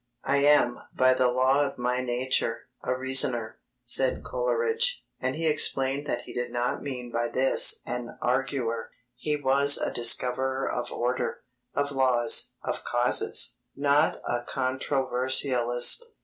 "I am, by the law of my nature, a reasoner," said Coleridge, and he explained that he did not mean by this "an arguer." He was a discoverer of order, of laws, of causes, not a controversialist.